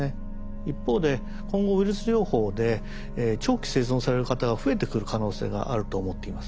一方で今後ウイルス療法で長期生存される方が増えてくる可能性があると思っています。